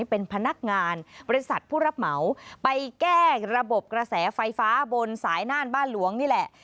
เป็นพนักงานบริษัทผู้รับเหมาไปแก้ระบบกระแสไฟฟ้าบนสายน่านบ้านหลวงนี่แหละ